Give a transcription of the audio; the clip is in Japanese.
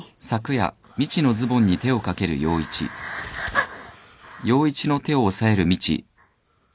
あっ！